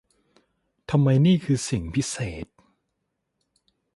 ทำไมนี่คือสิ่งพิเศษ!